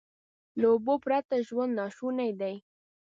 له اوبو پرته ژوند ناشونی دی.